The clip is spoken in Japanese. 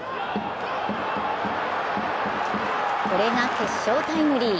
これが決勝タイムリー。